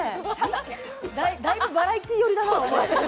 だいぶバラエティー寄りだな。